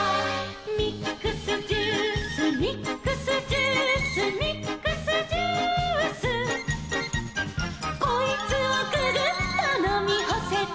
「ミックスジュースミックスジュース」「ミックスジュース」「こいつをググッとのみほせば」